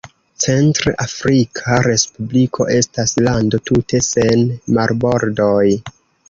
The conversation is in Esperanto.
Centr-Afrika Respubliko estas lando tute sen marbordoj.